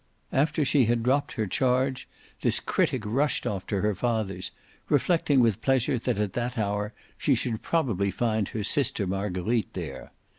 After she had dropped her charge this critic rushed off to her father's, reflecting with pleasure that at that hour she should probably find her sister Marguerite there.